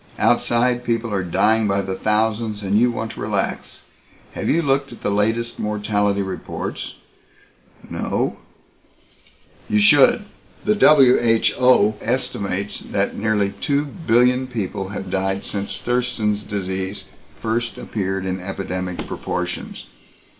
"Outside, people are dying by the thousands and you want to relax. Have you looked at the latest mortality reports?" "No " "You should. The WHO estimates that nearly two billion people have died since Thurston's Disease first appeared in epidemic proportions.